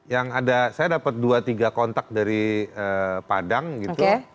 yang ada saya dapat dua tiga kontak dari padang gitu